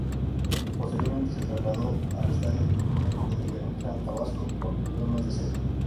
Posteriormente se trasladó al Estadio Olímpico de Villahermosa en Tabasco, por problemas de sede.